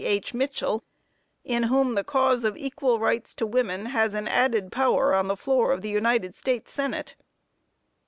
H. Mitchell, in whom the cause of equal rights to women has an added power on the floor of the United States Senate.